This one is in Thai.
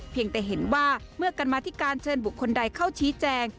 เพียงแต่เห็นว่าเมื่อกรรมธิการเชิญบุคคลใดเข้าชี้แจง